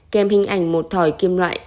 kem hình ảnh một thỏi kim loại